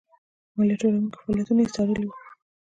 مالیه ټولوونکو فعالیتونه یې څارلي وو.